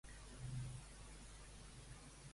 Els immigrants musulmans tots tenen casa al seu país